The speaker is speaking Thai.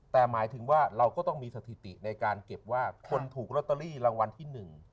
แต่หมายถึงว่าเราก็ต้องมีสถิติในการเก็บว่าคนถูกลอตเตอรี่รางวัลที่๑